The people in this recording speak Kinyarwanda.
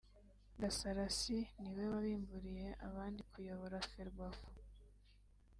Gasarasi ni we wabimburiye abandi kuyobora Ferwafa